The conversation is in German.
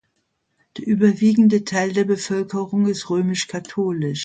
Der überwiegende Teil der Bevölkerung ist römisch-katholisch.